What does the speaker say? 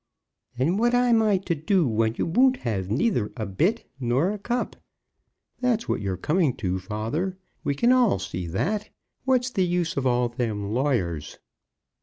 "And what am I to do when you won't have neither a bit nor a cup? That's what you're coming to, father. We can all see that. What's the use of all them lawyers?"